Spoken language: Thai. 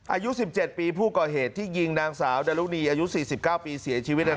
อายุ๑๗ปีผู้ก่อเหตุที่ยิงนางสาวดารุณีอายุ๔๙ปีเสียชีวิต